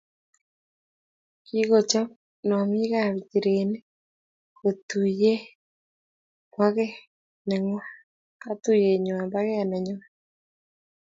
Kokochop nomikap njirenik katuiyeyabkei nengwai